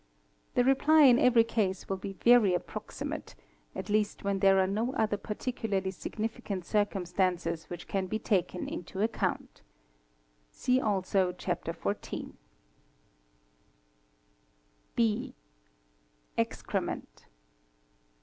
The reply in every case will be very approximate, at least whe EXCREMENT 193 there are no other particularly significant circumstances which can be taken into account. (See also Chapter XIV.) ;' B. Excrement.